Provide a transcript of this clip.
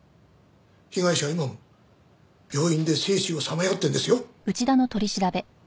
被害者は今も病院で生死をさまよってるんですよ。